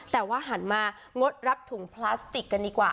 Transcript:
แต่ว่าหันมางดรับถุงพลาสติกกันดีกว่า